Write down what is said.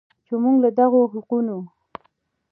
چې موږ له دغو حقونو